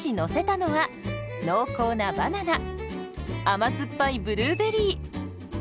甘酸っぱいブルーベリー。